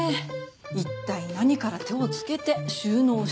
「一体何から手をつけて収納したらいいか」